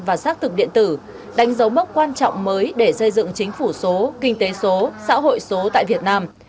và xác thực điện tử đánh dấu mốc quan trọng mới để xây dựng chính phủ số kinh tế số xã hội số tại việt nam